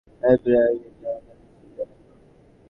হে বীরগণ, এগিয়ে যাও, আমরা নিশ্চয় জয়লাভ করব।